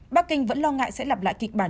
bắc kinh vẫn lo ngại sẽ lặp lại kịch bản